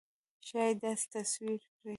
ښایي داسې تصویر کړي.